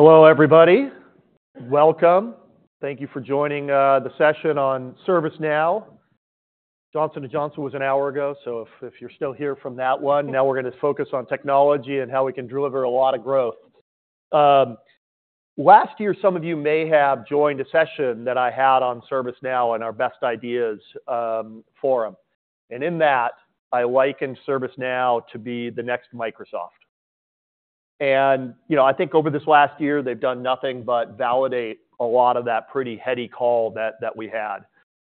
Hello, everybody. Welcome. Thank you for joining the session on ServiceNow. Johnson & Johnson was an hour ago, so if you're still here from that one, now we're going to focus on technology and how we can deliver a lot of growth. Last year, some of you may have joined a session that I had on ServiceNow and our Best Ideas forum. And in that, I likened ServiceNow to be the next Microsoft. And, you know, I think over this last year, they've done nothing but validate a lot of that pretty heady call that we had.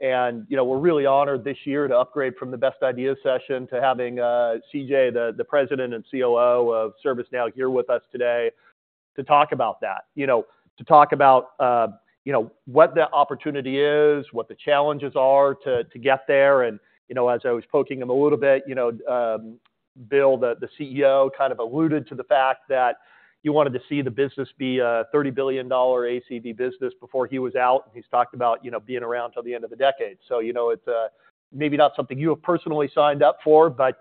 And, you know, we're really honored this year to upgrade from the Best Ideas session to having CJ, the President and COO of ServiceNow, here with us today to talk about that. You know, to talk about you know, what the opportunity is, what the challenges are to get there. And, you know, as I was poking him a little bit, you know, Bill, the CEO, kind of alluded to the fact that he wanted to see the business be a $30 billion ACV business before he was out. He's talked about, you know, being around till the end of the decade. So, you know, it's maybe not something you have personally signed up for, but,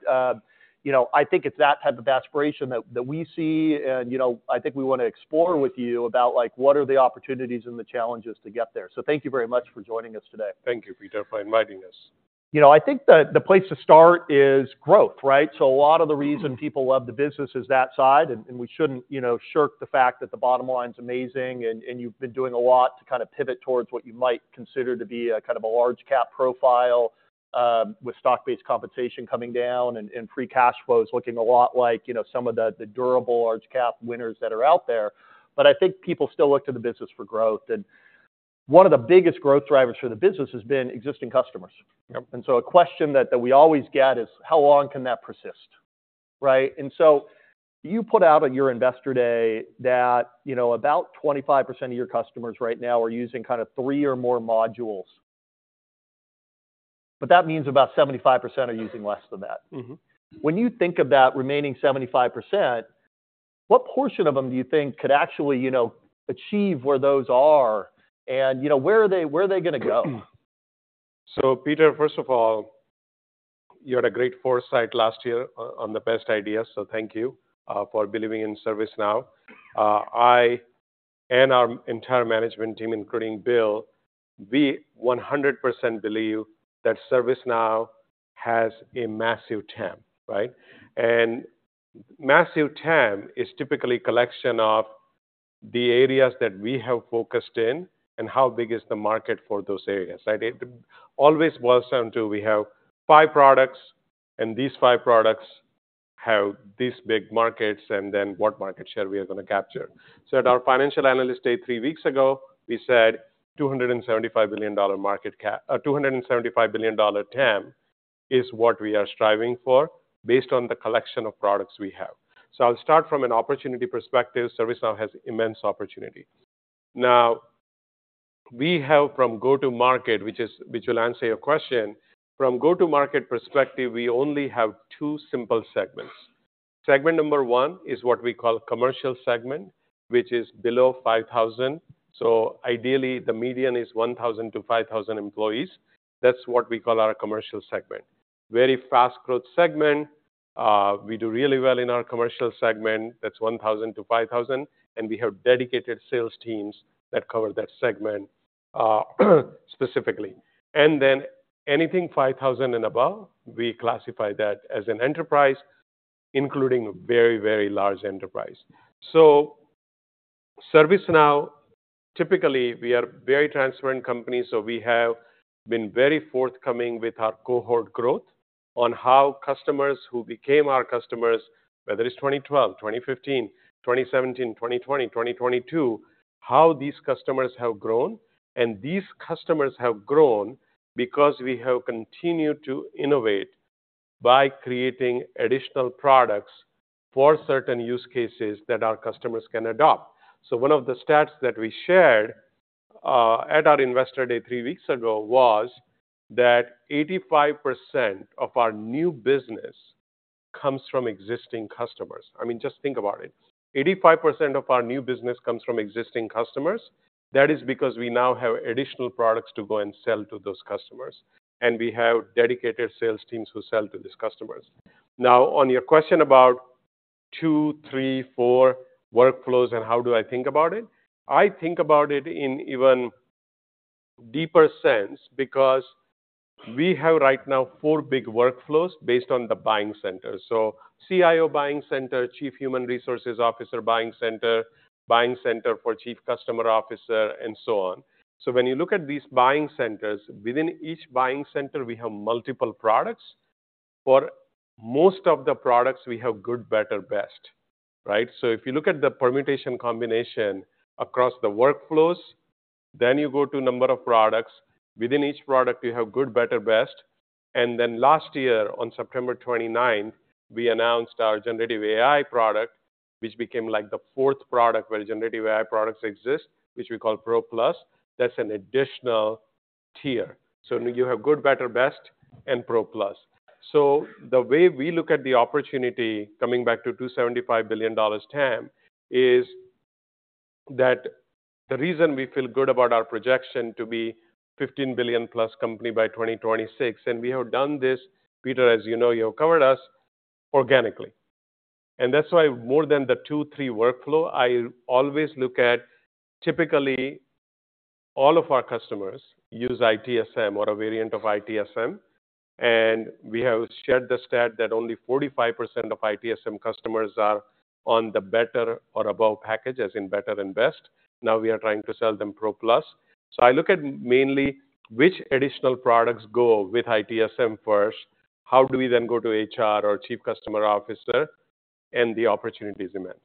you know, I think it's that type of aspiration that we see, and, you know, I think we want to explore with you about, like, what are the opportunities and the challenges to get there. So thank you very much for joining us today. Thank you, Peter, for inviting us. You know, I think the place to start is growth, right? So a lot of the reason people love the business is that side, and we shouldn't, you know, shirk the fact that the bottom line's amazing, and you've been doing a lot to kind of pivot towards what you might consider to be a kind of a large cap profile, with stock-based compensation coming down and free cash flows looking a lot like, you know, some of the durable large cap winners that are out there. But I think people still look to the business for growth, and one of the biggest growth drivers for the business has been existing customers. Yep. So a question that we always get is: How long can that persist, right? You put out on your Investor Day that, you know, about 25% of your customers right now are using kind of three or more modules. But that means about 75% are using less than that. Mm-hmm. When you think of that remaining 75%, what portion of them do you think could actually, you know, achieve where those are? And, you know, where are they gonna go? So, Peter, first of all, you had a great foresight last year on the best ideas, so thank you for believing in ServiceNow. I and our entire management team, including Bill, we 100% believe that ServiceNow has a massive TAM, right? And massive TAM is typically collection of the areas that we have focused in and how big is the market for those areas, right? It always boils down to we have five products, and these five products have these big markets, and then what market share we are gonna capture. So at our Financial Analyst Day, three weeks ago, we said $275 billion market cap, $275 billion TAM is what we are striving for, based on the collection of products we have. So I'll start from an opportunity perspective. ServiceNow has immense opportunity. Now, we have from go-to-market, which will answer your question. From go-to-market perspective, we only have two simple segments. Segment number one is what we call commercial segment, which is below 5,000. So ideally, the median is 1,000 to 5,000 employees. That's what we call our commercial segment. Very fast growth segment. We do really well in our commercial segment. That's 1,000 to 5,000, and we have dedicated sales teams that cover that segment, specifically. And then anything 5,000 and above, we classify that as an enterprise, including very, very large enterprise. So ServiceNow, typically, we are a very transparent company, so we have been very forthcoming with our cohort growth on how customers who became our customers, whether it's 2012, 2015, 2017, 2020, 2022, how these customers have grown. These customers have grown because we have continued to innovate by creating additional products for certain use cases that our customers can adopt. One of the stats that we shared at our Investor Day three weeks ago was that 85% of our new business comes from existing customers. I mean, just think about it, 85% of our new business comes from existing customers. That is because we now have additional products to go and sell to those customers, and we have dedicated sales teams who sell to these customers. Now, on your question about two, three, four workflows, and how do I think about it? I think about it in even deeper sense because we have, right now, four big workflows based on the buying center. So CIO buying center, chief human resources officer buying center, buying center for chief customer officer, and so on. So when you look at these buying centers, within each buying center, we have multiple products. For most of the products, we have Good, Better, Best, right? So if you look at the permutation combination across the workflows, then you go to number of products. Within each product, you have Good, Better, Best. And then last year, on September 29th, we announced our generative AI product, which became, like, the fourth product where generative AI products exist, which we call Pro Plus. That's an additional tier. So you have Good, Better, Best, and Pro Plus. So the way we look at the opportunity, coming back to $275 billion TAM, is that the reason we feel good about our projection to be 15 billion+ company by 2026, and we have done this... Peter, as you know, you have covered us.... organically. That's why more than the two, three workflow, I always look at typically, all of our customers use ITSM or a variant of ITSM, and we have shared the stat that only 45% of ITSM customers are on the better or above package, as in better and best. Now we are trying to sell them Pro Plus. So I look at mainly which additional products go with ITSM first, how do we then go to HR or chief customer officer, and the opportunity is immense.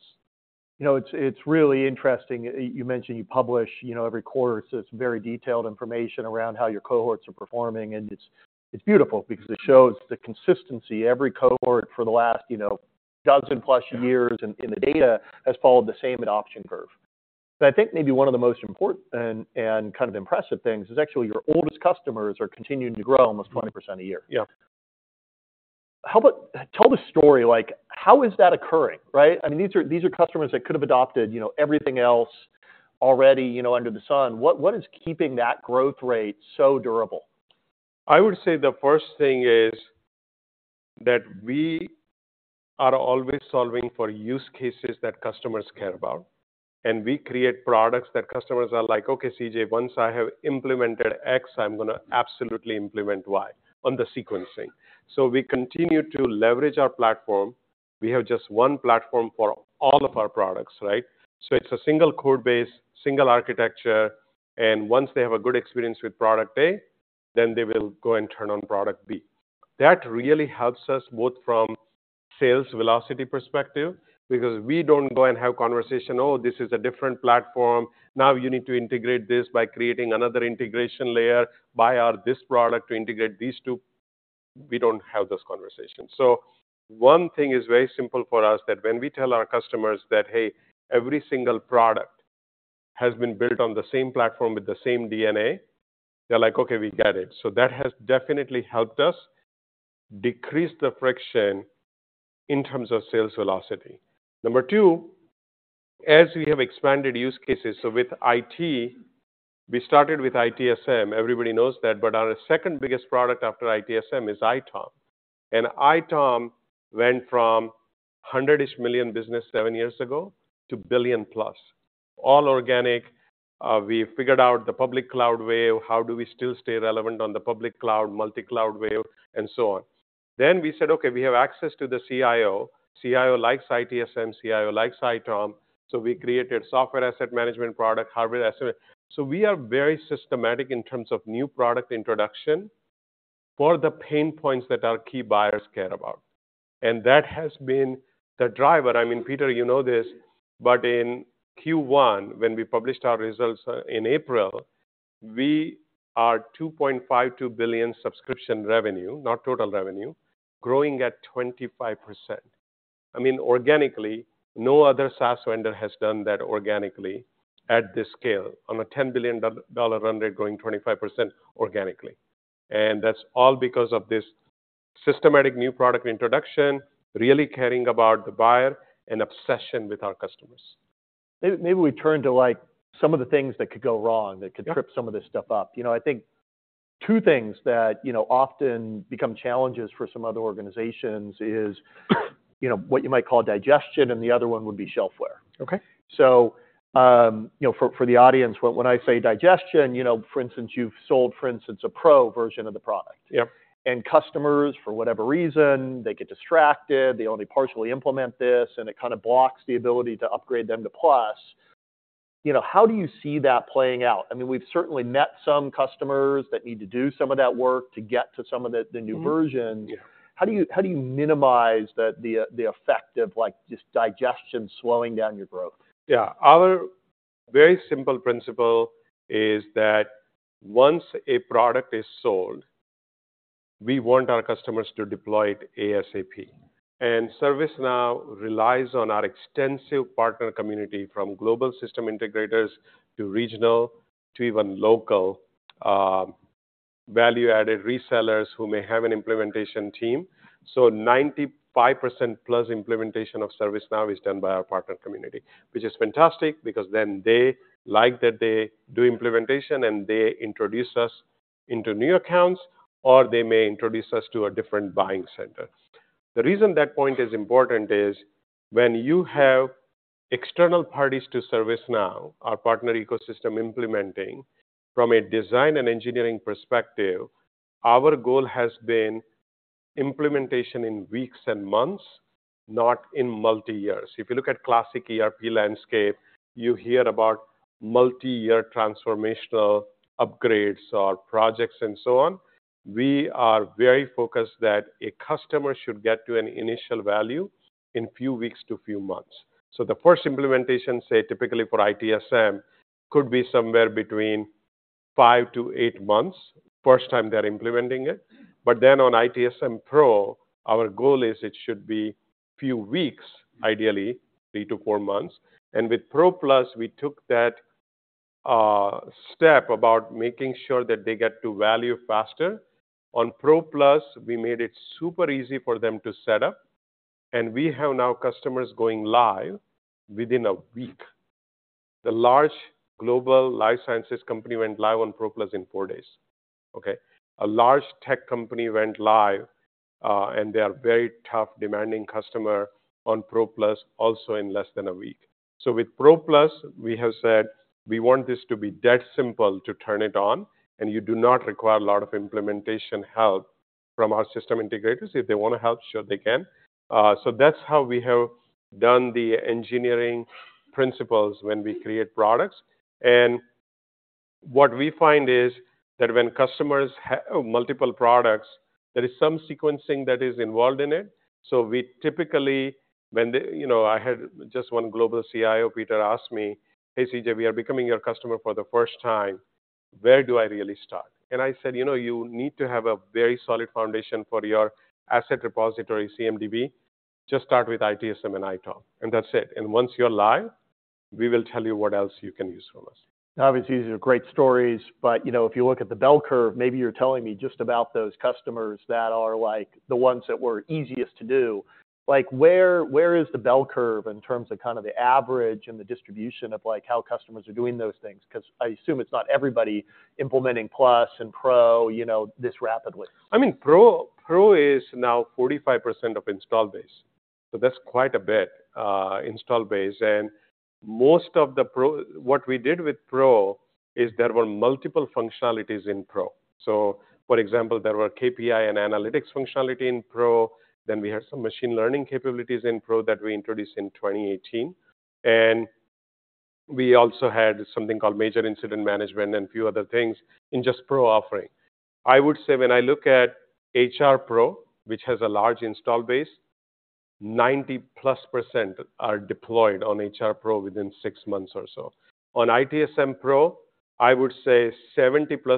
You know, it's really interesting. You mentioned you publish, you know, every quarter, so it's very detailed information around how your cohorts are performing, and it's beautiful because it shows the consistency. Every cohort for the last, you know, 12+ years in the data has followed the same adoption curve. But I think maybe one of the most important and kind of impressive things is actually your oldest customers are continuing to grow almost 20% a year. Yeah. How about, tell the story, like, how is that occurring, right? I mean, these are, these are customers that could have adopted, you know, everything else already, you know, under the sun. What, what is keeping that growth rate so durable? I would say the first thing is that we are always solving for use cases that customers care about, and we create products that customers are like, "Okay, CJ, once I have implemented X, I'm gonna absolutely implement Y on the sequencing." So we continue to leverage our platform. We have just one platform for all of our products, right? So it's a single code base, single architecture, and once they have a good experience with product A, then they will go and turn on product B. That really helps us both from sales velocity perspective, because we don't go and have conversation, "Oh, this is a different platform. Now you need to integrate this by creating another integration layer. Buy out this product to integrate these two." We don't have those conversations. So one thing is very simple for us, that when we tell our customers that, "Hey, every single product has been built on the same platform with the same DNA," they're like, "Okay, we get it." So that has definitely helped us decrease the friction in terms of sales velocity. Number two, as we have expanded use cases, so with IT, we started with ITSM. Everybody knows that, but our second biggest product after ITSM is ITOM. And ITOM went from $100-ish million business seven years ago to $1 billion+, all organic. We figured out the public cloud wave, how do we still stay relevant on the public cloud, multi-cloud wave, and so on. Then we said, "Okay, we have access to the CIO. CIO likes ITSM, CIO likes ITOM," so we created Software Asset Management product, Hardware Asset. So we are very systematic in terms of new product introduction for the pain points that our key buyers care about. And that has been the driver. I mean, Peter, you know this, but in Q1, when we published our results in April, we are $2.52 billion subscription revenue, not total revenue, growing at 25%. I mean, organically, no other SaaS vendor has done that organically at this scale, on a $10 billion vendor growing 25% organically. And that's all because of this systematic new product introduction, really caring about the buyer, and obsession with our customers. Maybe we turn to, like, some of the things that could go wrong, that could... Yeah... trip some of this stuff up. You know, I think two things that, you know, often become challenges for some other organizations is, you know, what you might call digestion, and the other one would be shelfware. Okay. You know, for the audience, when I say digestion, you know, for instance, you've sold, for instance, a Pro version of the product. Yep. Customers, for whatever reason, they get distracted, they only partially implement this, and it kind of blocks the ability to upgrade them to Plus. You know, how do you see that playing out? I mean, we've certainly met some customers that need to do some of that work to get to some of the, the new version. Mm-hmm. Yeah. How do you minimize the effect of, like, just digestion slowing down your growth? Yeah. Our very simple principle is that once a product is sold, we want our customers to deploy it ASAP. And ServiceNow relies on our extensive partner community, from global system integrators to regional to even local value-added resellers who may have an implementation team. So 95% plus implementation of ServiceNow is done by our partner community, which is fantastic because then they like that they do implementation, and they introduce us into new accounts, or they may introduce us to a different buying center. The reason that point is important is when you have external parties to ServiceNow, our partner ecosystem implementing, from a design and engineering perspective, our goal has been implementation in weeks and months, not in multiyear. If you look at classic ERP landscape, you hear about multiyear transformational upgrades or projects and so on. We are very focused that a customer should get to an initial value in few weeks to few months. So the first implementation, say, typically for ITSM, could be somewhere between five to eight months, first time they're implementing it. But then on ITSM Pro, our goal is it should be few weeks, ideally, three to four months. And with Pro Plus, we took that step about making sure that they get to value faster. On Pro Plus, we made it super easy for them to set up, and we have now customers going live within a week.... the large global life sciences company went live on Pro Plus in four days, okay? A large tech company went live, and they are very tough, demanding customer on Pro Plus also in less than a week. So with Pro Plus, we have said we want this to be that simple to turn it on, and you do not require a lot of implementation help from our system integrators. If they want to help, sure, they can. So that's how we have done the engineering principles when we create products. And what we find is that when customers have multiple products, there is some sequencing that is involved in it. So we typically, when they... You know, I had just one global CIO, Peter, ask me, "Hey, CJ, we are becoming your customer for the first time. Where do I really start?" And I said, "You know, you need to have a very solid foundation for your asset repository CMDB. Just start with ITSM and ITOM, and that's it. And once you're live, we will tell you what else you can use from us. Obviously, these are great stories, but, you know, if you look at the bell curve, maybe you're telling me just about those customers that are, like, the ones that were easiest to do. Like, where, where is the bell curve in terms of kind of the average and the distribution of, like, how customers are doing those things? Because I assume it's not everybody implementing Plus and Pro, you know, this rapidly. I mean, Pro, Pro is now 45% of install base, so that's quite a bit, install base. And most of the Pro, what we did with Pro is there were multiple functionalities in Pro. So for example, there were KPI and analytics functionality in Pro, then we had some machine learning capabilities in Pro that we introduced in 2018. And we also had something called Major Incident Management and a few other things in just Pro offering. I would say when I look at HR Pro, which has a large install base, 90+% are deployed on HR Pro within six months or so. On ITSM Pro, I would say 70+%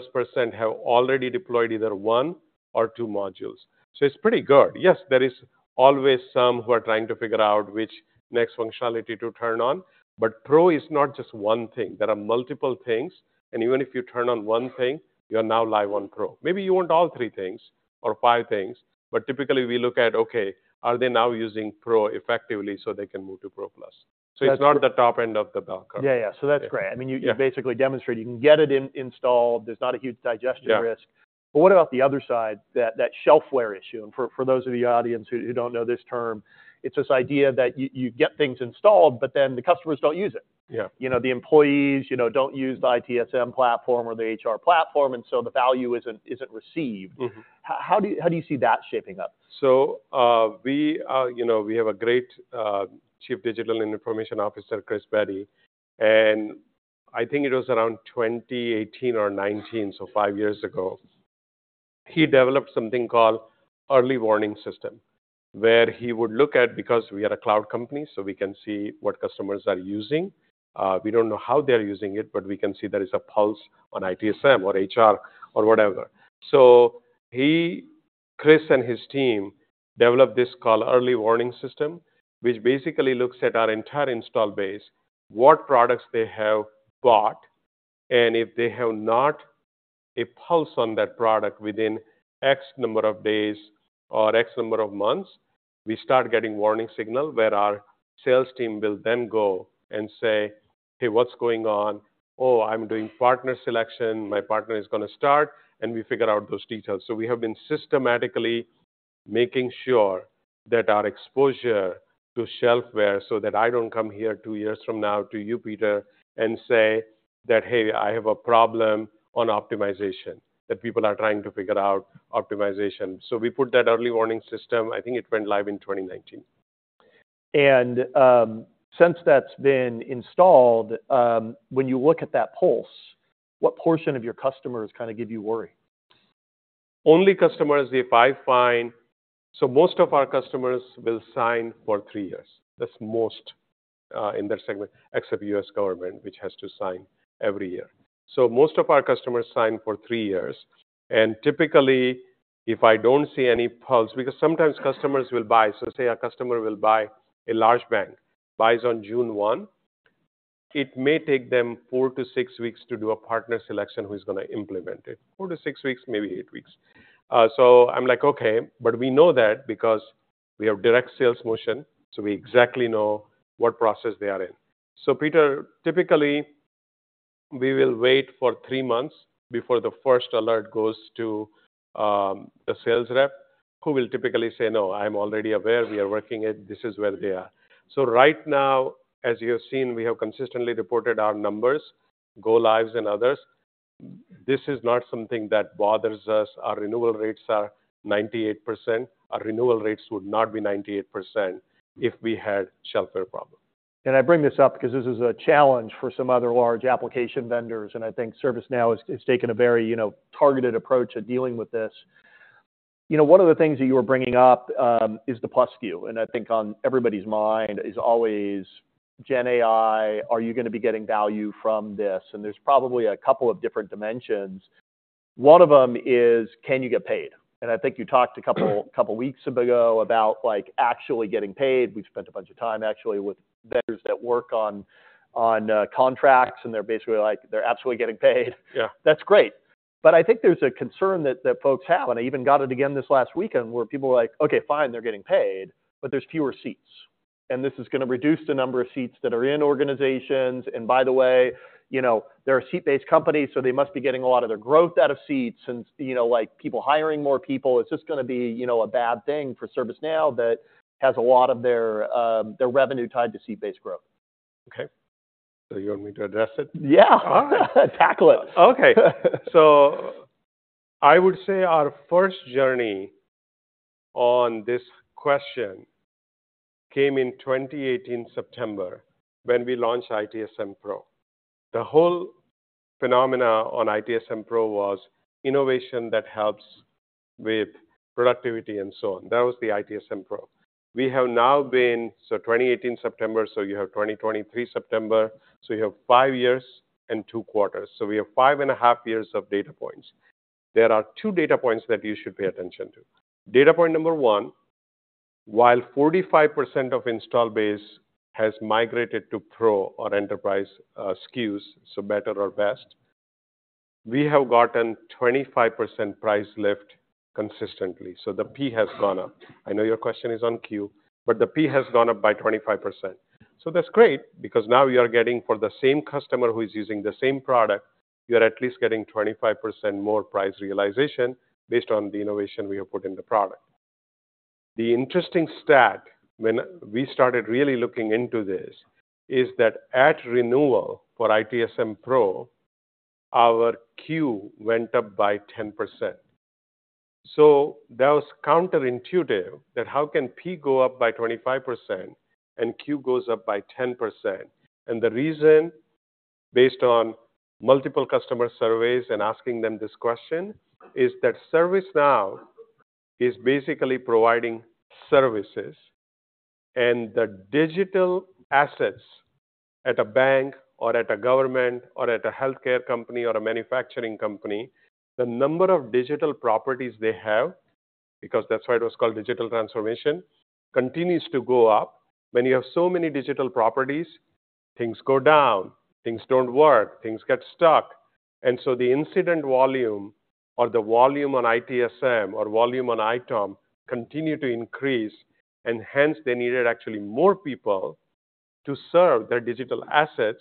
have already deployed either one or two modules. So it's pretty good. Yes, there is always some who are trying to figure out which next functionality to turn on, but Pro is not just one thing. There are multiple things, and even if you turn on one thing, you are now live on Pro. Maybe you want all three things or five things, but typically we look at, okay, are they now using Pro effectively so they can move to Pro Plus? That's- It's not the top end of the bell curve. Yeah, yeah. So that's great. Yeah. I mean, you, you basically demonstrated you can get it installed. There's not a huge digestion risk. Yeah. But what about the other side, that shelfware issue? And for those of the audience who don't know this term, it's this idea that you get things installed, but then the customers don't use it. Yeah. You know, the employees, you know, don't use the ITSM platform or the HR platform, and so the value isn't received. Mm-hmm. How do you see that shaping up? So, we, you know, we have a great Chief Digital Information Officer, Chris Bedi, and I think it was around 2018 or 2019, so five years ago, he developed something called early warning system, where he would look at... Because we are a cloud company, so we can see what customers are using. We don't know how they're using it, but we can see there is a pulse on ITSM or HR or whatever. So he, Chris and his team, developed this called early warning system, which basically looks at our entire installed base, what products they have got, and if they have not a pulse on that product within X number of days or X number of months, we start getting warning signal, where our sales team will then go and say, "Hey, what's going on?" "Oh, I'm doing partner selection. My partner is gonna start," and we figure out those details. So we have been systematically making sure that our exposure to shelfware, so that I don't come here two years from now to you, Peter, and say that, "Hey, I have a problem on optimization," that people are trying to figure out optimization. So we put that early warning system. I think it went live in 2019. Since that's been installed, when you look at that pulse, what portion of your customers kind of give you worry? Only customers if I find... So most of our customers will sign for three years. That's most in that segment, except U.S. Government, which has to sign every year. So most of our customers sign for three years. And typically, if I don't see any pulse, because sometimes customers will buy, so say a customer will buy, a large bank, buys on June 1, it may take them four to six weeks to do a partner selection who's gonna implement it. Four to six weeks, maybe eight weeks. So I'm like, okay, but we know that because we have direct sales motion, so we exactly know what process they are in. So Peter, typically, we will wait for three months before the first alert goes to the sales rep, who will typically say, "No, I'm already aware. We are working it. This is where we are." So right now, as you have seen, we have consistently reported our numbers, go-lives and others. This is not something that bothers us. Our renewal rates are 98%. Our renewal rates would not be 98% if we had shelfware problem. I bring this up because this is a challenge for some other large application vendors, and I think ServiceNow has taken a very, you know, targeted approach at dealing with this. You know, one of the things that you were bringing up is the Plus SKU, and I think on everybody's mind is always GenAI; are you gonna be getting value from this? And there's probably a couple of different dimensions. One of them is: Can you get paid? And I think you talked a couple weeks ago about, like, actually getting paid. We've spent a bunch of time actually with vendors that work on contracts, and they're basically like, they're absolutely getting paid. Yeah. That's great... But I think there's a concern that, that folks have, and I even got it again this last weekend, where people were like: "Okay, fine, they're getting paid, but there's fewer seats. And this is gonna reduce the number of seats that are in organizations. And by the way, you know, they're a seat-based company, so they must be getting a lot of their growth out of seats and, you know, like people hiring more people. It's just gonna be, you know, a bad thing for ServiceNow that has a lot of their, their revenue tied to seat-based growth. Okay. So you want me to address it? Yeah. All right. Tackle it. Okay. So I would say our first journey on this question came in 2018, September, when we launched ITSM Pro. The whole phenomenon on ITSM Pro was innovation that helps with productivity and so on. That was the ITSM Pro. We have now been so 2018, September, so you have 2023, September, so you have five years and two quarters. So we have 5.5 years of data points. There are two data points that you should pay attention to. Data point number one, while 45% of installed base has migrated to Pro or enterprise SKUs, so better or best, we have gotten 25% price lift consistently. So the P has gone up. I know your question is on Q, but the P has gone up by 25%. So that's great, because now we are getting for the same customer who is using the same product, we are at least getting 25% more price realization based on the innovation we have put in the product. The interesting stat, when we started really looking into this, is that at renewal for ITSM Pro, our Q went up by 10%. So that was counterintuitive, that how can P go up by 25% and Q goes up by 10%? And the reason, based on multiple customer surveys and asking them this question, is that ServiceNow is basically providing services. And the digital assets at a bank, or at a government, or at a healthcare company, or a manufacturing company, the number of digital properties they have, because that's why it was called digital transformation, continues to go up. When you have so many digital properties, things go down, things don't work, things get stuck. And so the incident volume or the volume on ITSM or volume on ITOM continue to increase, and hence they needed actually more people to serve their digital assets,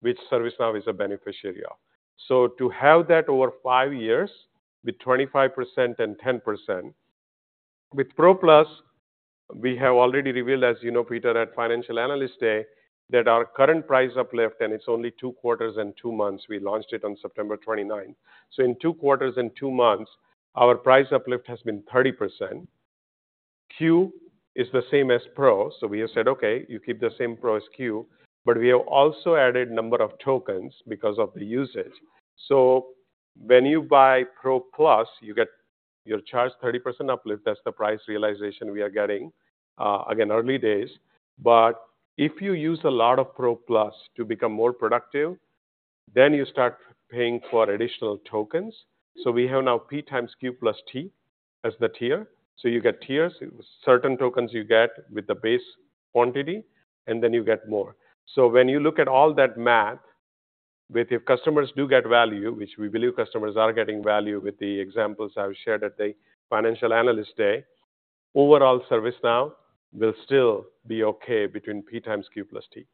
which ServiceNow is a beneficiary of. So to have that over five years with 25% and 10%... With Pro Plus, we have already revealed, as you know, Peter, at Financial Analyst Day, that our current price uplift, and it's only two quarters and two months, we launched it on September 29. So in two quarters and two months, our price uplift has been 30%. Q is the same as Pro, so we have said, "Okay, you keep the same Pro as Q," but we have also added number of tokens because of the usage. So when you buy Pro Plus, you get—you're charged 30% uplift. That's the price realization we are getting. Again, early days, but if you use a lot of Pro Plus to become more productive, then you start paying for additional tokens. So we have now P times Q plus T as the tier. So you get tiers. Certain tokens you get with the base quantity, and then you get more. So when you look at all that math, with your customers do get value, which we believe customers are getting value with the examples I've shared at the Financial Analyst Day, overall, ServiceNow will still be okay between P times Q plus T.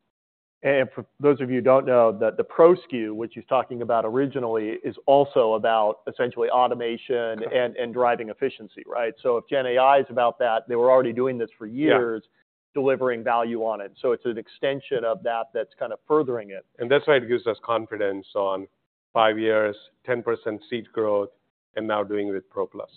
For those of you who don't know, that the Pro SKU, which he's talking about originally, is also about essentially automation- Correct... and driving efficiency, right? So if GenAI is about that, they were already doing this for years- Yeah delivering value on it. So it's an extension of that that's kind of furthering it. That's why it gives us confidence on five years, 10% seat growth, and now doing it with Pro Plus.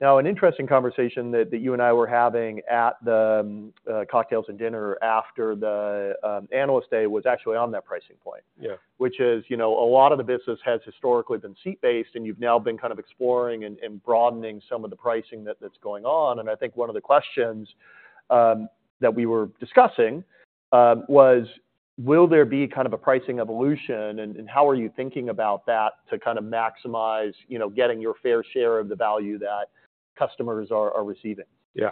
Now, an interesting conversation that you and I were having at the cocktails and dinner after the Analyst Day was actually on that pricing point. Yeah. Which is, you know, a lot of the business has historically been seat-based, and you've now been kind of exploring and broadening some of the pricing that's going on. And I think one of the questions that we were discussing was: Will there be kind of a pricing evolution, and how are you thinking about that to kind of maximize, you know, getting your fair share of the value that customers are receiving? Yeah.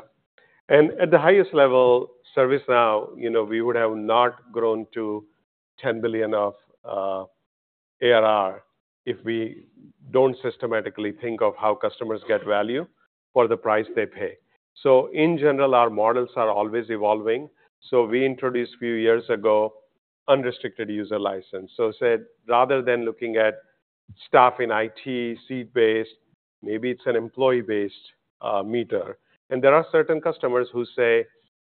And at the highest level, ServiceNow, you know, we would have not grown to $10 billion of ARR if we don't systematically think of how customers get value for the price they pay. So in general, our models are always evolving. So we introduced few years ago, unrestricted user license. So we said, rather than looking at staff in IT, seat-based, maybe it's an employee-based meter. And there are certain customers who say: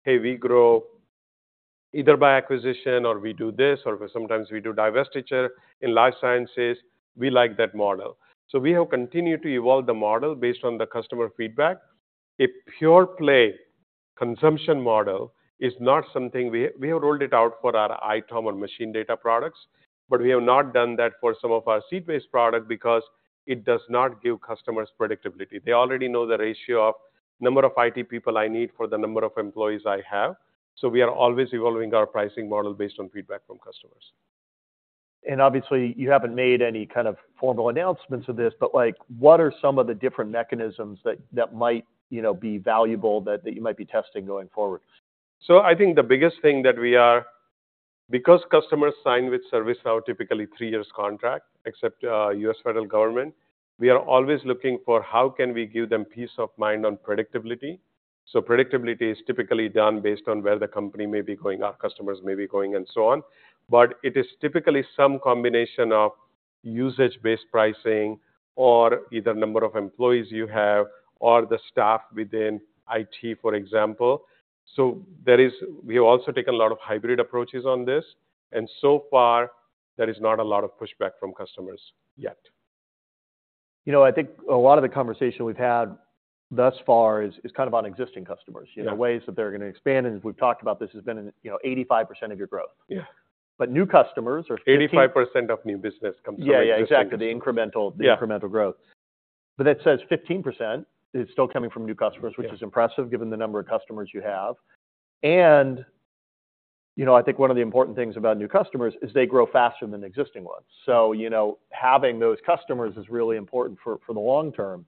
"Hey, we grow either by acquisition, or we do this, or sometimes we do divestiture. In life sciences, we like that model." So we have continued to evolve the model based on the customer feedback. A pure play consumption model is not something we... We have rolled it out for our ITOM or machine data products, but we have not done that for some of our seat-based product because it does not give customers predictability. They already know the ratio of number of IT people I need for the number of employees I have. So we are always evolving our pricing model based on feedback from customers. Obviously, you haven't made any kind of formal announcements of this, but, like, what are some of the different mechanisms that might, you know, be valuable that you might be testing going forward? So I think the biggest thing. Because customers sign with ServiceNow typically three years contract, except U.S. Federal Government, we are always looking for how can we give them peace of mind on predictability? So predictability is typically done based on where the company may be going, our customers may be going, and so on. But it is typically some combination of usage-based pricing or either number of employees you have or the staff within IT, for example. So we have also taken a lot of hybrid approaches on this, and so far, there is not a lot of pushback from customers yet. You know, I think a lot of the conversation we've had thus far is kind of on existing customers. Yeah. You know, ways that they're gonna expand, and as we've talked about this, has been in, you know, 85% of your growth. Yeah. But new customers are- 85% of new business comes from- Yeah, yeah, exactly. The incremental- Yeah... the incremental growth. But that says 15% is still coming from new customers- Yeah... which is impressive given the number of customers you have. You know, I think one of the important things about new customers is they grow faster than existing ones. You know, having those customers is really important for the long term.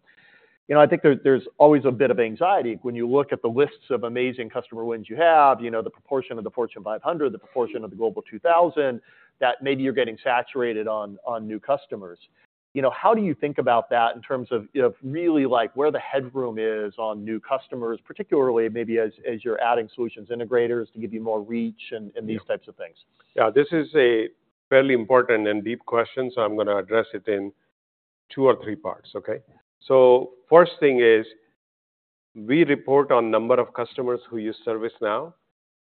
You know, I think there's always a bit of anxiety when you look at the lists of amazing customer wins you have, you know, the proportion of the Fortune 500, the proportion of the Global 2000, that maybe you're getting saturated on new customers. You know, how do you think about that in terms of really, like, where the headroom is on new customers, particularly maybe as you're adding solutions integrators to give you more reach and- Yeah... and these types of things? Yeah, this is a fairly important and deep question, so I'm gonna address it in two or three parts, okay? So first thing is, we report on number of customers who use ServiceNow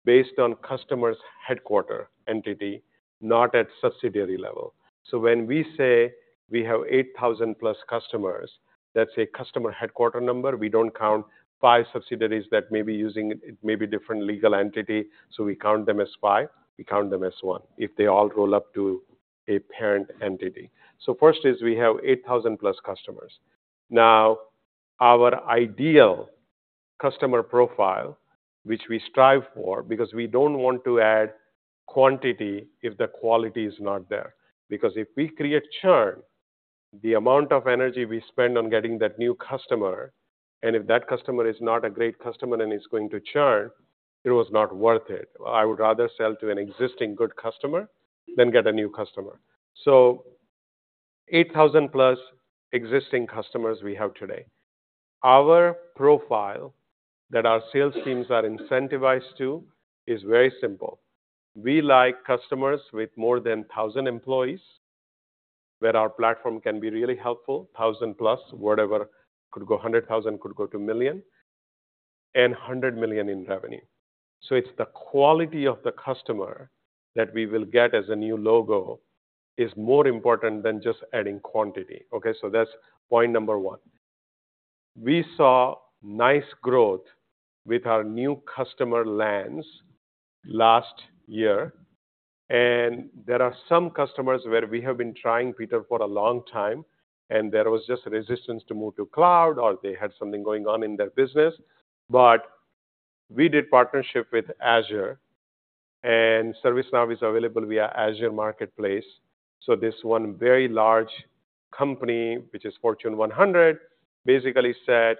based on customer's headquarter entity, not at subsidiary level. So when we say we have 8,000+ customers, that's a customer headquarter number. We don't count five subsidiaries that may be using it, it may be different legal entity, so we count them as five. We count them as one if they all roll up to a parent entity. So first is we have 8,000+ customers. Now, our ideal customer profile, which we strive for, because we don't want to add quantity if the quality is not there, because if we create churn, the amount of energy we spend on getting that new customer, and if that customer is not a great customer and is going to churn, it was not worth it. I would rather sell to an existing good customer than get a new customer. So 8,000+ existing customers we have today. Our profile that our sales teams are incentivized to is very simple. We like customers with more than 1,000 employees, where our platform can be really helpful, 1,000+, whatever, could go 100,000, could go to 1 million, and $100 million in revenue. So it's the quality of the customer that we will get as a new logo is more important than just adding quantity, okay? So that's point number one. We saw nice growth with our new customer lands last year, and there are some customers where we have been trying, Peter, for a long time, and there was just resistance to move to cloud or they had something going on in their business. But we did partnership with Azure, and ServiceNow is available via Azure Marketplace. So this one very large company, which is Fortune 100, basically said,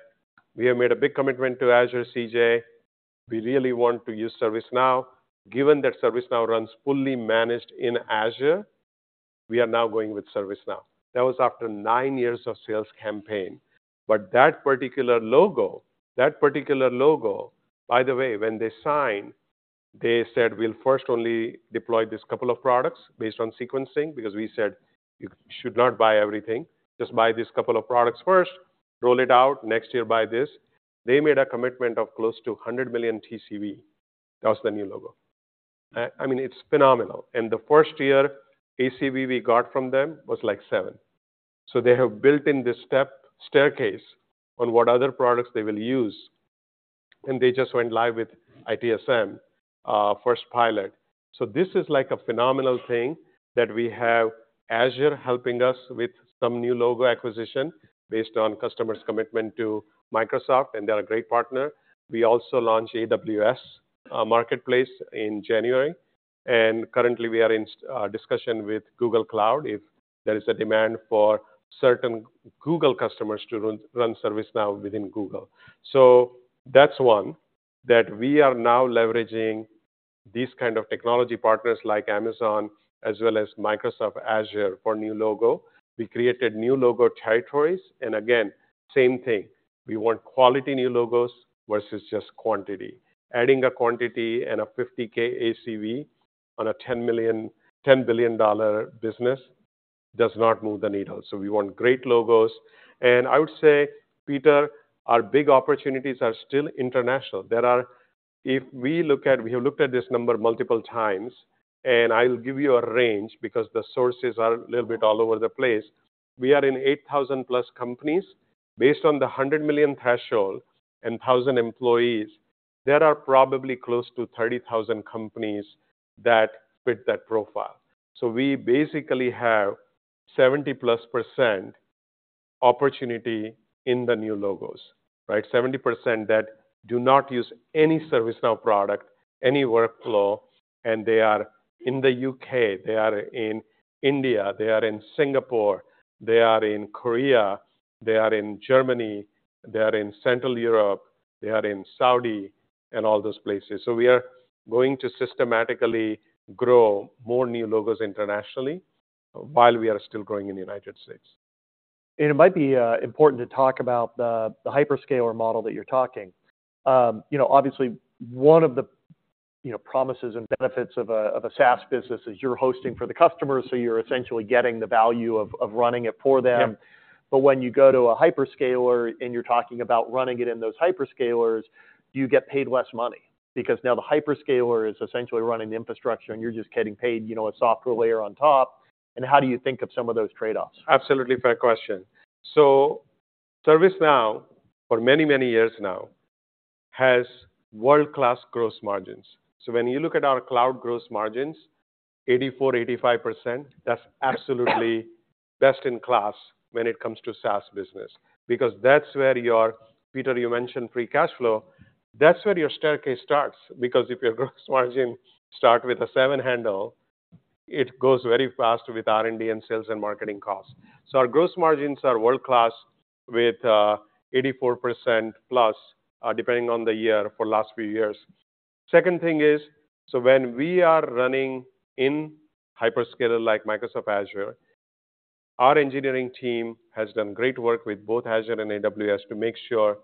"We have made a big commitment to Azure, CJ. We really want to use ServiceNow. Given that ServiceNow runs fully managed in Azure, we are now going with ServiceNow." That was after nine years of sales campaign. But that particular logo, that particular logo, by the way, when they signed, they said, "We'll first only deploy this couple of products based on sequencing, because we said, 'You should not buy everything.' Just buy these couple of products first, roll it out. Next year, buy this." They made a commitment of close to $100 million TCV. That's the new logo. I mean, it's phenomenal. And the first year ACV we got from them was, like, $7 million. So they have built in this step staircase on what other products they will use, and they just went live with ITSM first pilot. So this is like a phenomenal thing that we have Azure helping us with some new logo acquisition based on customers' commitment to Microsoft, and they're a great partner. We also launched AWS Marketplace in January, and currently we are in discussion with Google Cloud, if there is a demand for certain Google customers to run ServiceNow within Google. So that's one, that we are now leveraging these kind of technology partners like Amazon as well as Microsoft Azure for new logo. We created new logo territories, and again, same thing, we want quality new logos versus just quantity. Adding a quantity and a $50,000 ACV on a $10 million--$10 billion-dollar business does not move the needle. So we want great logos. And I would say, Peter, our big opportunities are still international. There are... If we look at-- we have looked at this number multiple times, and I'll give you a range because the sources are a little bit all over the place. We are in 8,000+ companies. Based on the $100 million threshold and 1,000 employees, there are probably close to 30,000 companies that fit that profile. So we basically have 70%+ opportunity in the new logos, right? 70% that do not use any ServiceNow product, any workflow, and they are in the U.K., they are in India, they are in Singapore, they are in Korea, they are in Germany, they are in Central Europe... they are in Saudi and all those places. So we are going to systematically grow more new logos internationally while we are still growing in the United States. It might be important to talk about the hyperscaler model that you're talking. You know, obviously, one of the promises and benefits of a SaaS business is you're hosting for the customer, so you're essentially getting the value of running it for them. Yeah. But when you go to a hyperscaler and you're talking about running it in those hyperscalers, you get paid less money. Because now the hyperscaler is essentially running the infrastructure, and you're just getting paid, you know, a software layer on top. And how do you think of some of those trade-offs? Absolutely fair question. So ServiceNow, for many, many years now, has world-class gross margins. So when you look at our cloud gross margins, 84%-85%, that's absolutely best-in-class when it comes to SaaS business. Because that's where your... Peter, you mentioned free cash flow, that's where your staircase starts. Because if your gross margin start with a seven handle, it goes very fast with R&D and sales and marketing costs. So our gross margins are world-class with 84%+, depending on the year for last few years. Second thing is, so when we are running in hyperscaler like Microsoft Azure, our engineering team has done great work with both Azure and AWS to make sure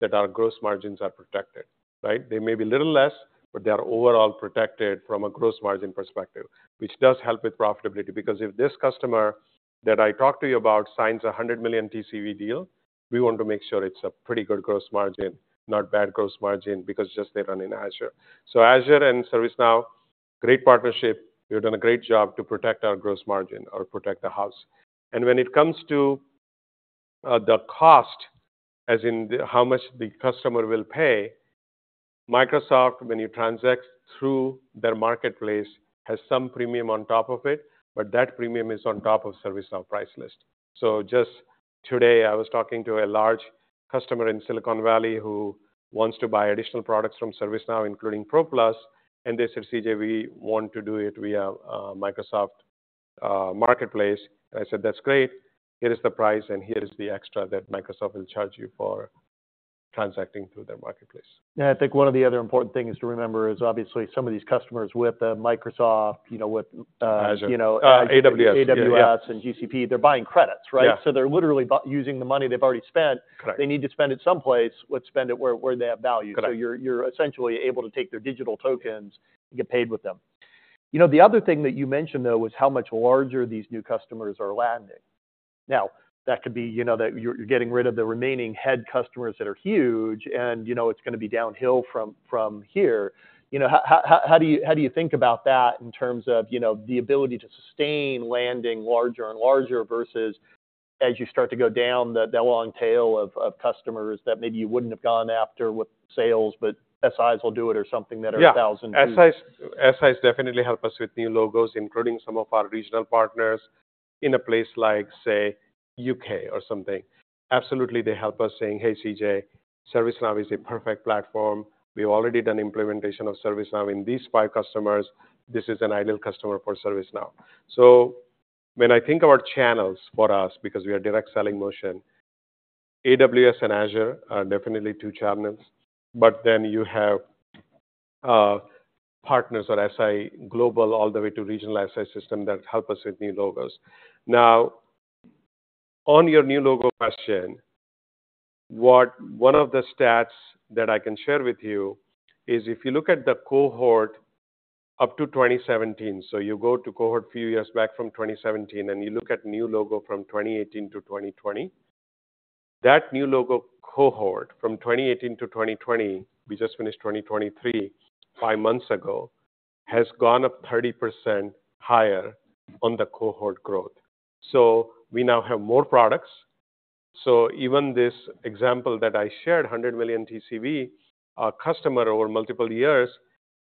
that our gross margins are protected, right? They may be a little less, but they are overall protected from a gross margin perspective, which does help with profitability. Because if this customer that I talked to you about signs a $100 million TCV deal, we want to make sure it's a pretty good gross margin, not bad gross margin, because just they run in Azure. So Azure and ServiceNow, great partnership. They've done a great job to protect our gross margin or protect the house. And when it comes to, the cost, as in the, how much the customer will pay, Microsoft, when you transact through their marketplace, has some premium on top of it, but that premium is on top of ServiceNow price list. So just today, I was talking to a large customer in Silicon Valley who wants to buy additional products from ServiceNow, including Pro Plus, and they said, "CJ, we want to do it via, Microsoft, marketplace." I said, "That's great. Here is the price, and here is the extra that Microsoft will charge you for transacting through their marketplace. Yeah, I think one of the other important things to remember is obviously some of these customers with, Microsoft, you know, with- Azure. AWS... AWS and GCP, they're buying credits, right? Yeah. So they're literally using the money they've already spent. Correct. They need to spend it someplace. Let's spend it where, where they have value. Correct. So you're essentially able to take their digital tokens and get paid with them. You know, the other thing that you mentioned, though, was how much larger these new customers are landing. Now, that could be, you know, that you're getting rid of the remaining head customers that are huge, and, you know, it's gonna be downhill from here. You know, how do you think about that in terms of, you know, the ability to sustain landing larger and larger versus as you start to go down the long tail of customers that maybe you wouldn't have gone after with sales, but SIs will do it or something that are a thousand- Yeah. SIs, SIs definitely help us with new logos, including some of our regional partners in a place like, say, UK or something. Absolutely, they help us, saying, "Hey, CJ, ServiceNow is a perfect platform. We've already done implementation of ServiceNow in these five customers. This is an ideal customer for ServiceNow." So when I think about channels for us, because we are a direct selling motion, AWS and Azure are definitely two channels. But then you have, partners or SI global, all the way to regional SI system that help us with new logos. Now, on your new logo question, one of the stats that I can share with you is if you look at the cohort up to 2017, so you go to cohort a few years back from 2017, and you look at new logo from 2018 to 2020. That new logo cohort from 2018 to 2020, we just finished 2023, five months ago, has gone up 30% higher on the cohort growth. So we now have more products. So even this example that I shared, $100 million TCV, our customer over multiple years,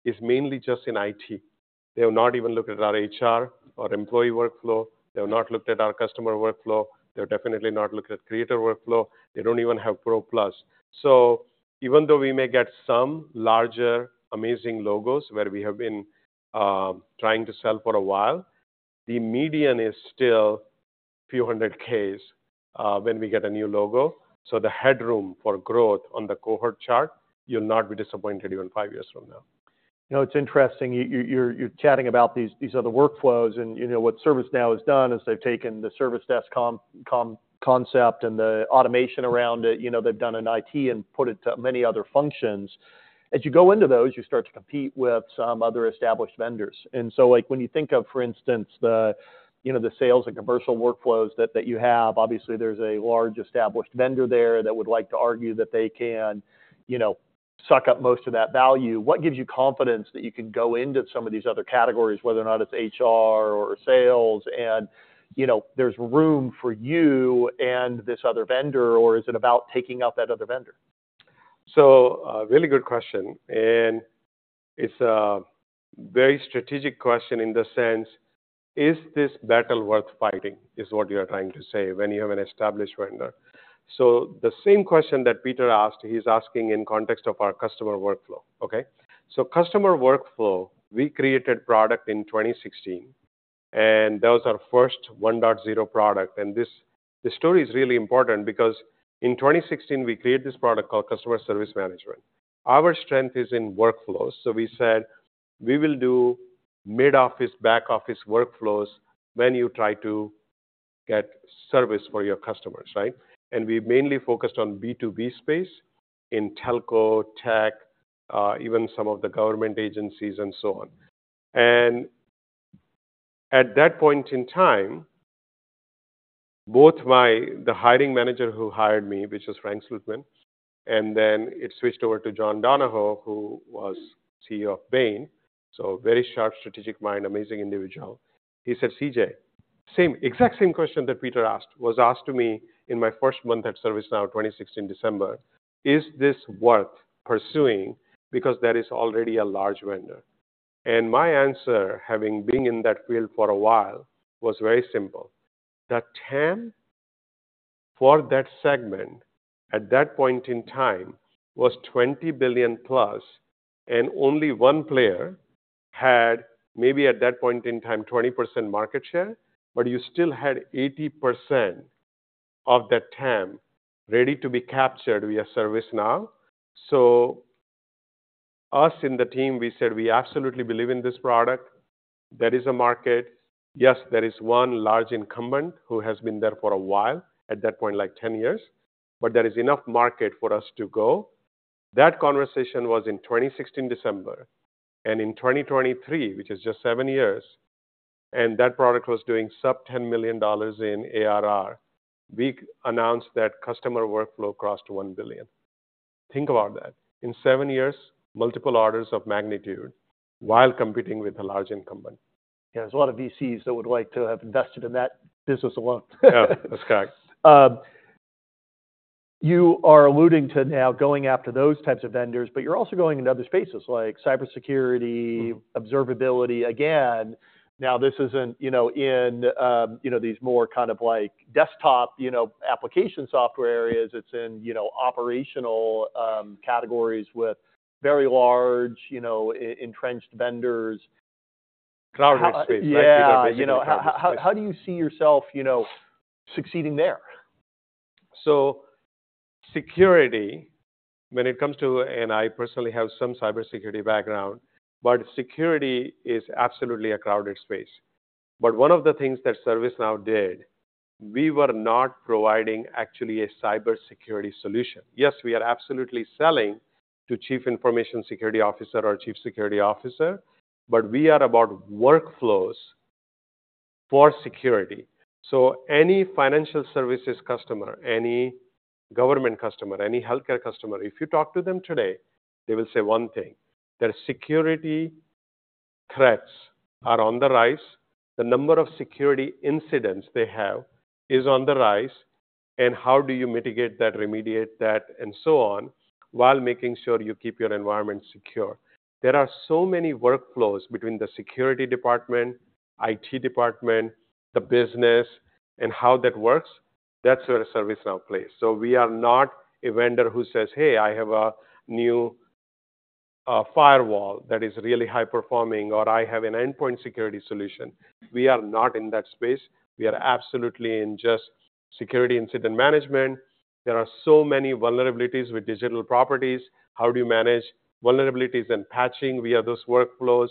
is mainly just in IT. They have not even looked at our HR or Employee Workflow. They have not looked at our Customer Workflow. They're definitely not looked at Creator Workflow. They don't even have Pro Plus. So even though we may get some larger, amazing logos where we have been trying to sell for a while, the median is still a few hundred Ks when we get a new logo. So the headroom for growth on the cohort chart, you'll not be disappointed even five years from now. You know, it's interesting, you're chatting about these other workflows, and, you know, what ServiceNow has done is they've taken the service desk concept and the automation around it. You know, they've done an IT and put it to many other functions. As you go into those, you start to compete with some other established vendors. And so, like, when you think of, for instance, the, you know, the sales and commercial workflows that you have, obviously there's a large established vendor there that would like to argue that they can, you know, suck up most of that value. What gives you confidence that you can go into some of these other categories, whether or not it's HR or sales, and, you know, there's room for you and this other vendor, or is it about taking out that other vendor? So, really good question, and it's a very strategic question in the sense, is this battle worth fighting? Is what you are trying to say when you have an established vendor. So the same question that Peter asked, he's asking in context of our Customer Workflow, okay? So Customer Workflow, we created product in 2016... and that was our first 1.0 product. And this, this story is really important because in 2016, we created this product called Customer Service Management. Our strength is in workflows, so we said we will do mid-office, back-office workflows when you try to get service for your customers, right? And we mainly focused on B2B space, in telco, tech, even some of the government agencies, and so on. And at that point in time, both my-- the hiring manager who hired me, which was Frank Slootman, and then it switched over to John Donahoe, who was CEO of Bain, so a very sharp strategic mind, amazing individual. He said, "CJ," same, exact same question that Peter asked was asked to me in my first month at ServiceNow, 2016, December: "Is this worth pursuing because there is already a large vendor?" And my answer, having been in that field for a while, was very simple. The TAM for that segment, at that point in time, was $20 billion+, and only one player had, maybe at that point in time, 20% market share, but you still had 80% of that TAM ready to be captured via ServiceNow. So us in the team, we said: We absolutely believe in this product. There is a market. Yes, there is one large incumbent who has been there for a while, at that point, like 10 years, but there is enough market for us to go. That conversation was in 2016, December, and in 2023, which is just seven years, and that product was doing sub $10 million in ARR. We announced that Customer Workflow crossed $1 billion. Think about that. In seven years, multiple orders of magnitude while competing with a large incumbent. Yeah, there's a lot of VCs that would like to have invested in that business alone. Yeah, that's correct. You are alluding to now going after those types of vendors, but you're also going into other spaces like cybersecurity, observability. Again, now, this isn't, you know, in, you know, these more kind of like desktop, you know, application software areas. It's in, you know, operational, categories with very large, you know, entrenched vendors. Crowded space, right? Yeah. Basically crowded space. You know, how do you see yourself, you know, succeeding there? So, security, when it comes to... And I personally have some cybersecurity background, but security is absolutely a crowded space. But one of the things that ServiceNow did, we were not providing actually a cybersecurity solution. Yes, we are absolutely selling to chief information security officer or chief security officer, but we are about workflows for security. So any financial services customer, any government customer, any healthcare customer, if you talk to them today, they will say one thing: that security threats are on the rise, the number of security incidents they have is on the rise, and how do you mitigate that, remediate that, and so on, while making sure you keep your environment secure? There are so many workflows between the security department, IT department, the business, and how that works. That's where ServiceNow plays. So we are not a vendor who says: "Hey, I have a new, firewall that is really high performing," or, "I have an endpoint security solution." We are not in that space. We are absolutely in just security incident management. There are so many vulnerabilities with digital properties. How do you manage vulnerabilities and patching via those workflows?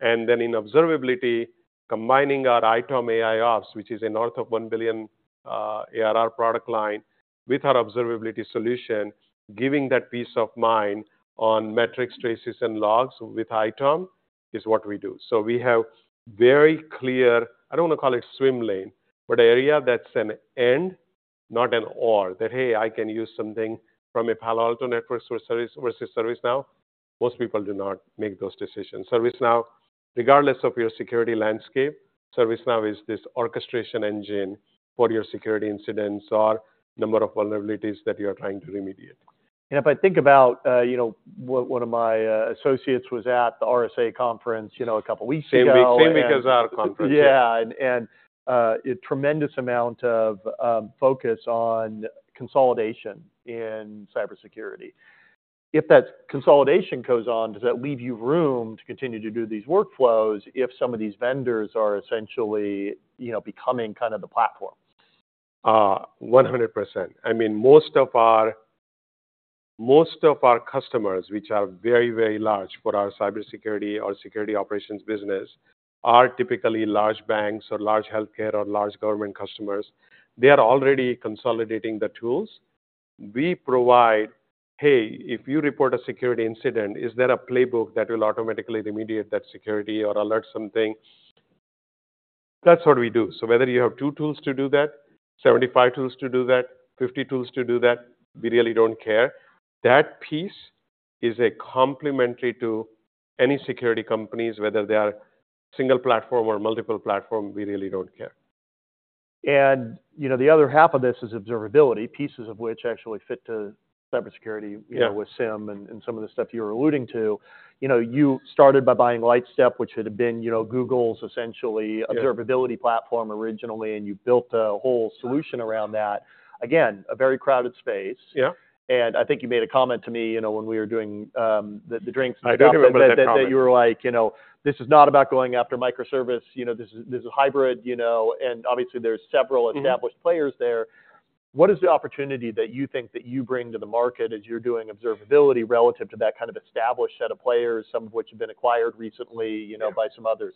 And then in observability, combining our ITOM AIOps, which is a north of $1 billion ARR product line, with our observability solution, giving that peace of mind on metrics, traces, and logs with ITOM is what we do. So we have very clear, I don't want to call it swim lane, but an area that's an and, not an or. That, hey, I can use something from a Palo Alto Networks or service-- versus ServiceNow. Most people do not make those decisions. ServiceNow, regardless of your security landscape, ServiceNow is this orchestration engine for your security incidents or number of vulnerabilities that you are trying to remediate. If I think about, you know, one of my associates was at the RSA Conference, you know, a couple weeks ago- Same week as our conference. Yeah, and a tremendous amount of focus on consolidation in cybersecurity. If that consolidation goes on, does that leave you room to continue to do these workflows if some of these vendors are essentially, you know, becoming kind of the platform? 100%. I mean, most of our, most of our customers, which are very, very large for our cybersecurity or security operations business, are typically large banks or large healthcare or large government customers. They are already consolidating the tools. We provide, "Hey, if you report a security incident, is there a playbook that will automatically remediate that security or alert something?" That's what we do. So whether you have two tools to do that, 75 tools to do that, 50 tools to do that, we really don't care. That piece is a complementary to any security companies, whether they are single platform or multiple platform, we really don't care. You know, the other half of this is observability, pieces of which actually fit to cybersecurity. Yeah... you know, with ITSM and, and some of the stuff you're alluding to. You know, you started by buying Lightstep, which had been, you know, Google's essentially- Yeah... observability platform originally, and you built a whole solution around that. Again, a very crowded space. Yeah. I think you made a comment to me, you know, when we were doing the drinks- I don't remember that comment.... that you were like: You know, this is not about going after microservice. You know, this is, this is hybrid, you know, and obviously there's several- Mm-hmm... established players there. What is the opportunity that you think that you bring to the market as you're doing observability relative to that kind of established set of players, some of which have been acquired recently, you know, by some others?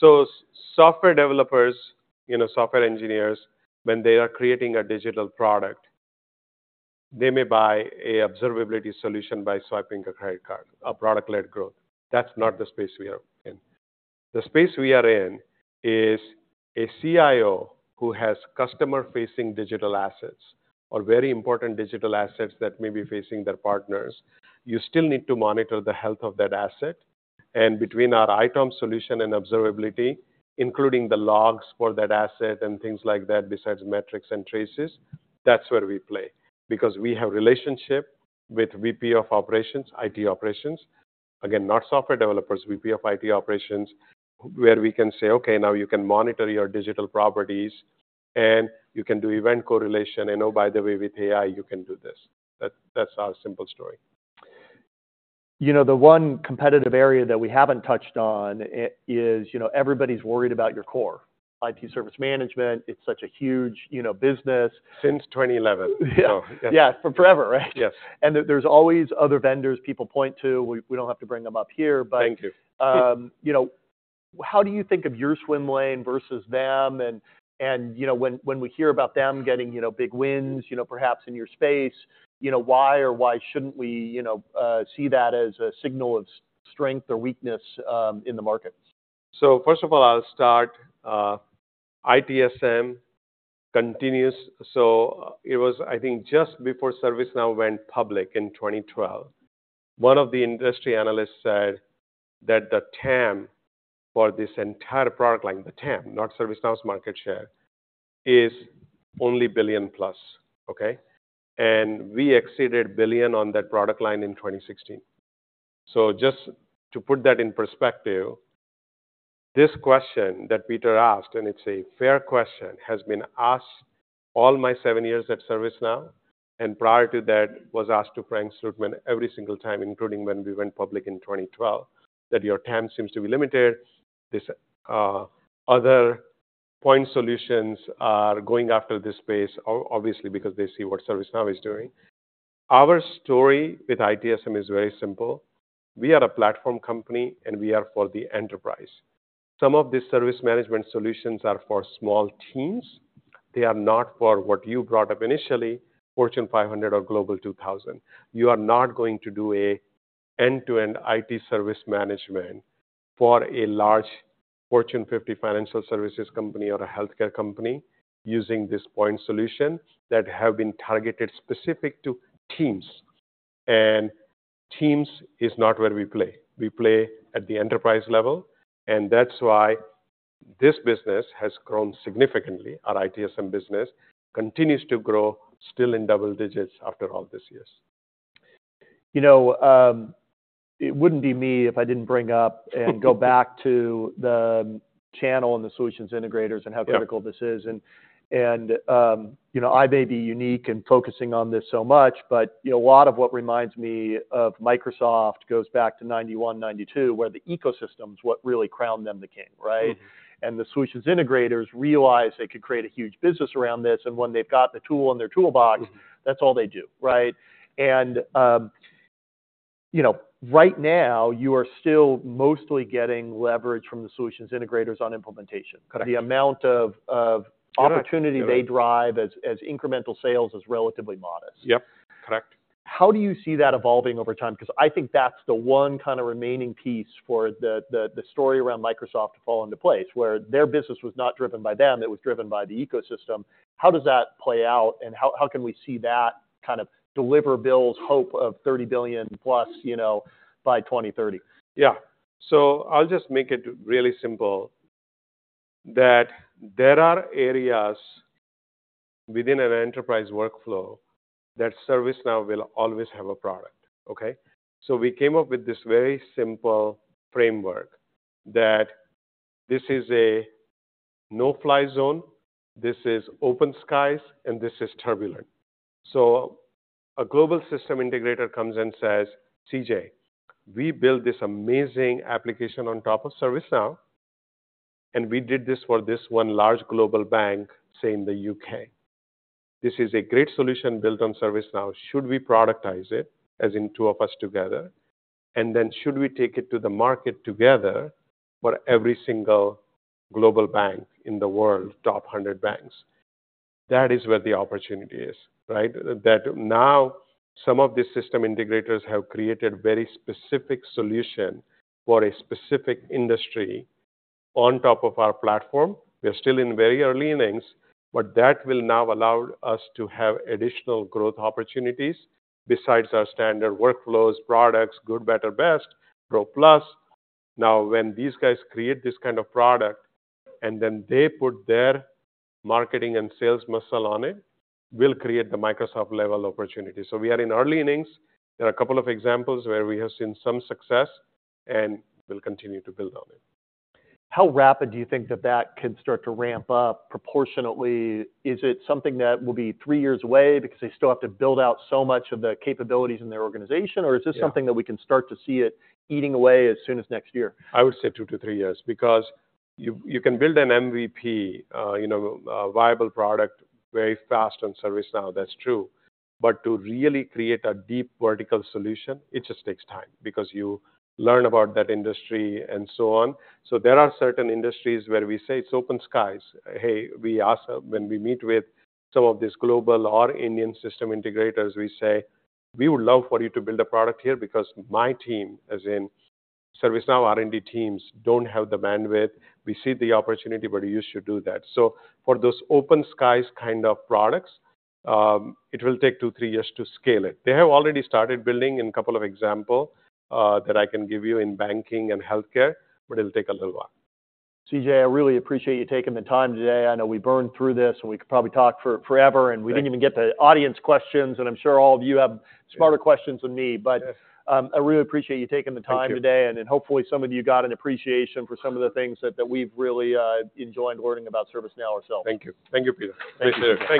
So software developers, you know, software engineers, when they are creating a digital product, they may buy a observability solution by swiping a credit card, a product-led growth. That's not the space we are in. The space we are in is a CIO who has customer-facing digital assets or very important digital assets that may be facing their partners. You still need to monitor the health of that asset, and between our ITOM solution and observability, including the logs for that asset and things like that, besides metrics and traces, that's where we play. Because we have relationship with VP of operations, IT operations, again, not software developers, VP of IT operations, where we can say, "Okay, now you can monitor your digital properties, and you can do event correlation. And oh, by the way, with AI, you can do this." That, that's our simple story. You know, the one competitive area that we haven't touched on is, you know, everybody's worried about your core IT Service Management. It's such a huge, you know, business. Since 2011. Yeah. So, yeah. Yeah, for forever, right? Yes. There, there's always other vendors people point to. We, we don't have to bring them up here, but- Thank you. You know, how do you think of your swim lane versus them? And, you know, when we hear about them getting, you know, big wins, you know, perhaps in your space, you know, why or why shouldn't we, you know, see that as a signal of strength or weakness in the market? So first of all, I'll start, ITSM continues. So it was, I think, just before ServiceNow went public in 2012, one of the industry analysts said that the TAM for this entire product line, the TAM, not ServiceNow's market share, is only $1 billion+, okay? And we exceeded $1 billion on that product line in 2016. So just to put that in perspective, this question that Peter asked, and it's a fair question, has been asked all my seven years at ServiceNow, and prior to that, was asked to Frank Slootman every single time, including when we went public in 2012, that your TAM seems to be limited. This, other point solutions are going after this space, obviously, because they see what ServiceNow is doing. Our story with ITSM is very simple: we are a platform company, and we are for the enterprise. Some of the service management solutions are for small teams. They are not for, what you brought up initially, Fortune 500 or Global 2000. You are not going to do an end-to-end IT Service Management for a large Fortune 50 financial services company or a healthcare company using this point solution that have been targeted specific to teams, and teams is not where we play. We play at the enterprise level, and that's why this business has grown significantly. Our ITSM business continues to grow, still in double digits after all these years. You know, it wouldn't be me if I didn't bring up and go back to the channel and the solutions integrators and how Yeah... critical this is. You know, I may be unique in focusing on this so much, but, you know, a lot of what reminds me of Microsoft goes back to 1991, 1992, where the ecosystem's what really crowned them the king, right? Mm-hmm. The solutions integrators realized they could create a huge business around this, and when they've got the tool in their toolbox- Mm-hmm... that's all they do, right? And, you know, right now, you are still mostly getting leverage from the solutions integrators on implementation. Correct. The amount of, Correct... opportunity they drive as incremental sales is relatively modest. Yep, correct. How do you see that evolving over time? Because I think that's the one kind of remaining piece for the story around Microsoft to fall into place, where their business was not driven by them, it was driven by the ecosystem. How does that play out, and how can we see that kind of deliver Bill's hope of $30 billion+, you know, by 2030? Yeah. So I'll just make it really simple, that there are areas within an enterprise workflow that ServiceNow will always have a product, okay? So we came up with this very simple framework that this is a no-fly zone, this is open skies, and this is turbulent. So a global system integrator comes and says, "CJ, we built this amazing application on top of ServiceNow, and we did this for this one large global bank, say, in the U.K. This is a great solution built on ServiceNow. Should we productize it, as in two of us together, and then should we take it to the market together for every single global bank in the world, top hundred banks?" That is where the opportunity is, right? That now some of the system integrators have created very specific solution for a specific industry on top of our platform. We are still in very early innings, but that will now allow us to have additional growth opportunities besides our standard workflows, products, Good, Better, Best, Pro Plus. Now, when these guys create this kind of product and then they put their marketing and sales muscle on it, we'll create the Microsoft-level opportunity. So we are in early innings. There are a couple of examples where we have seen some success, and we'll continue to build on it. How rapid do you think that that could start to ramp up proportionately? Is it something that will be three years away because they still have to build out so much of the capabilities in their organization? Yeah. Or is this something that we can start to see it eating away as soon as next year? I would say two to three years, because you, you can build an MVP, you know, a viable product very fast on ServiceNow, that's true, but to really create a deep vertical solution, it just takes time because you learn about that industry and so on. So there are certain industries where we say it's open skies. Hey, we ask. When we meet with some of these global or Indian system integrators, we say: We would love for you to build a product here because my team, as in ServiceNow R&D teams, don't have the bandwidth. We see the opportunity, but you should do that. So for those open skies kind of products, it will take two to three years to scale it. They have already started building in a couple of example that I can give you in banking and healthcare, but it'll take a little while. CJ, I really appreciate you taking the time today. I know we burned through this, and we could probably talk for forever- Thank you. We didn't even get to audience questions, and I'm sure all of you have smarter questions than me. Yes. I really appreciate you taking the time today. Thank you. And then hopefully some of you got an appreciation for some of the things that, that we've really enjoyed learning about ServiceNow ourselves. Thank you. Thank you, Peter. Appreciate it. Thank you.